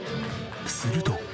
すると。